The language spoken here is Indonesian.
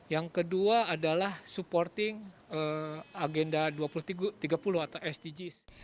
yang kedua adalah supporting agenda tiga puluh atau sdgs